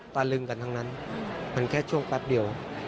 ตะลึงกันทั้งนั้นมันแค่ช่วงแป๊บเดียว